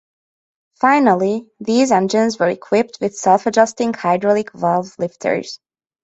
Finally, these engines were equipped with self-adjusting hydraulic valve lifters.